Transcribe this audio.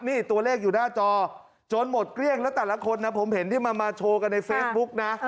นี่ตัวเลขอยู่หน้าจอจนหมดเกลี้ยงแล้วแต่ละคนนะผมเห็นที่มันมาโชว์กันในเฟซบุ๊กนะ